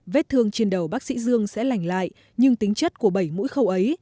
vết thương trên đầu bác sĩ dương sẽ lành lại nhưng tính chất của bảy mũi khâu ấy